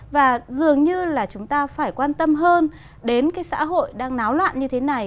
và dường như là chúng ta phải quan tâm hơn đến cái xã hội đang náo loạn như thế này